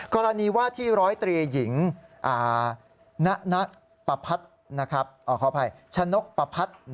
กรณีว่าที่ร้อยเตรียหญิงชะนกปะพัด